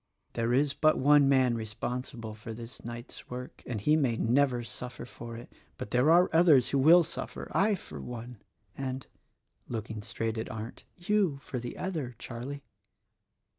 There is but one man responsible for this night's work — and he may never suffer for it. But there are others who will suffer: I for one, and," looking straight at Arndt, "you, for the other, Charlie."